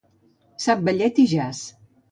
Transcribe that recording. Sap ballet i jazz.